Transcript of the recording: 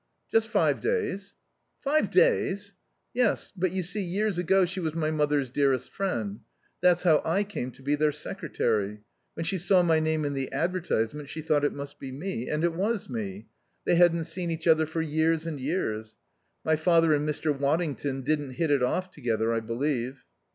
"Just five days." "Five days?" "Yes; but, you see, years ago she was my mother's dearest friend. That's how I came to be their secretary. When she saw my name in the advertisement she thought it must be me. And it was me. They hadn't seen each other for years and years. My father and Mr. Waddington didn't hit it off together, I believe."